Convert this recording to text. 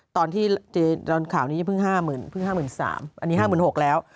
ตอนที่ข่าวนี้เพิ่ง๕เพิ่ง๕๓๐๐อันนี้๕๖๐๐แล้ว